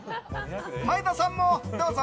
前田さんもどうぞ！